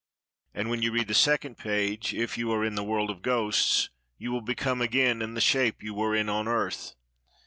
And when you read the second page, if you are in the world of ghosts, you will become again in the shape you were in on earth.